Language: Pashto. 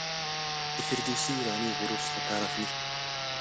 د فردوسي ایرانی غرور څخه کار اخلي.